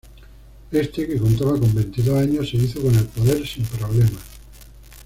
Este, que contaba con veintidós años, se hizo con el poder sin problemas.